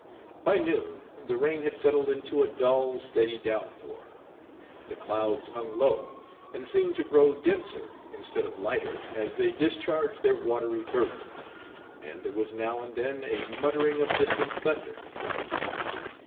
By noon the rain had settled into a dull, steady downpour. The clouds hung low, and seemed to grow denser instead of lighter as they discharged their watery burden, and there was now and then a muttering of distant thunder.